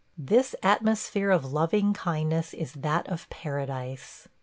This atmosphere of loving kindness is that of Paradise.